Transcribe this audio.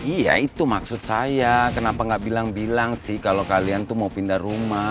iya itu maksud saya kenapa gak bilang bilang sih kalau kalian tuh mau pindah rumah